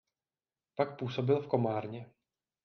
Pak působil v Komárně.